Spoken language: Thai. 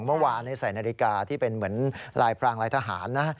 เมื่อวานใส่นาฬิกาที่เป็นเหมือนลายพรางลายทหารนะ